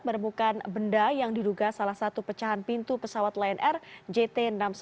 menemukan benda yang diduga salah satu pecahan pintu pesawat lion air jt enam ratus sepuluh